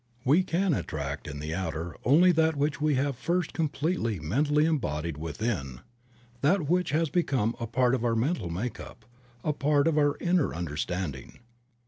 We can attract in the outer only that which we have first completely mentally embodied within, that which has become a part of our mental make up, a part of our inner understanding.